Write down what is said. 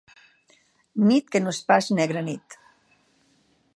Nit que no és pas negra nit.